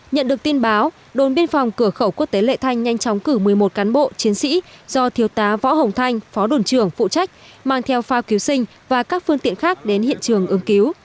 nhận được tin báo đồn biên phòng cửa khẩu quốc tế lệ thanh nhanh chóng cử một mươi một cán bộ chiến sĩ do thiếu tá võ hồng thanh phó đồn trưởng phụ trách mang theo phao cứu sinh và các phương tiện khác đến hiện trường ứng cứu